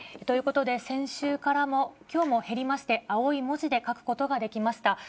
ということで、先週からもきょうも減りまして、青い文字で書くことができました。